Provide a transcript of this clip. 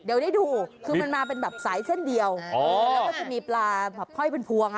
เดี๋ยวดิดูคือมันมาแบบใส่เส้นเดียวมีปลาแล้วก็มีปลาพ่อยเป็นฟวง